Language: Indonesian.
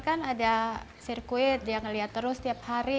kan ada sirkuit dia ngeliat terus tiap hari